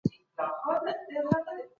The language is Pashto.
ډیپلوماټیک غونډي د افغانستان د ګټو لپاره وي.